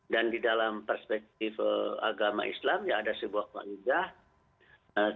dan di dalam perspektif agama islam ya ada sebuah kualitas